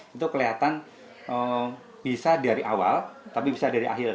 itu kelihatan bisa dari awal tapi bisa dari akhir